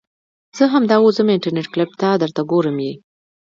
زه همدا اوس ځم انترنيټ کلپ ته درته ګورم يې .